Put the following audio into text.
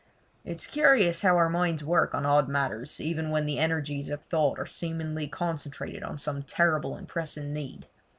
It is curious how our minds work on odd matters even when the energies of thought are seemingly concentrated on some terrible and pressing need.